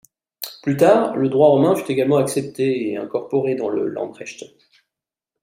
Plus tard, le droit romain fut également accepté et incorporé dans le Landrechte.